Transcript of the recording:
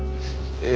ええ。